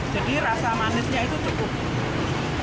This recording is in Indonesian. jadi rasa manisnya itu cukup